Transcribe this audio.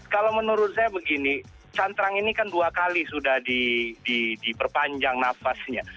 kalau menurut saya begini cantrang ini kan dua kali sudah diperpanjang nafasnya